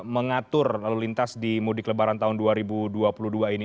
mengatur lalu lintas di mudik lebaran tahun dua ribu dua puluh dua ini